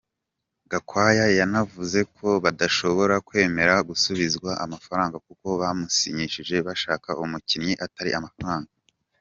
Gakwaya yanavuze ko badashobora kwemera gusubizwa amafaranga kuko bamusinyishije bashaka umukinnyi atari amafaranga.